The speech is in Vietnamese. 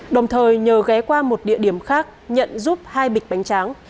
đồng thời nhờ ghé qua một địa điểm khác nhận giúp hai bịch bánh tráng